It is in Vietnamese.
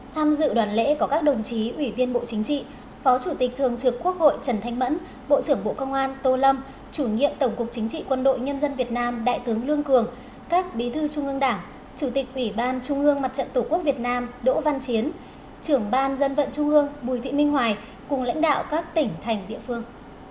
tham dự đoàn lễ có các đồng chí ủy viên bộ chính trị phó chủ tịch thường trực quốc hội trần thanh mẫn bộ trưởng bộ công an tô lâm chủ nhiệm tổng cục chính trị quân đội nhân dân việt nam đại tướng lương cường các bí thư trung ương đảng chủ tịch ủy ban trung ương mặt trận tổ quốc việt nam đỗ văn chiến trưởng ban dân vận trung ương bùi thị minh hoài cùng lãnh đạo các tỉnh thành địa phương